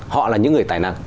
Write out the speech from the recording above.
họ là những người tài năng